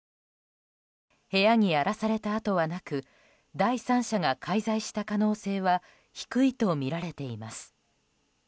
部屋に荒らされたあとはなく第三者が介在した可能性は低いとみられています。